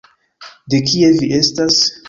De kie vi estas?